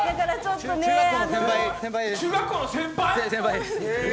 中学校の先輩です。